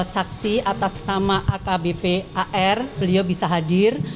saksi atas nama akbp ar beliau bisa hadir